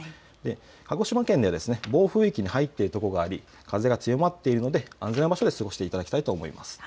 鹿児島県では暴風域に入っている所があり風が強まっているので安全な場所で過ごしていただきたいと思います。